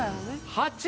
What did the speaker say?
８！